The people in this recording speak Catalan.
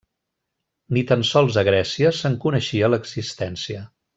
Ni tan sols a Grècia se'n coneixia l'existència.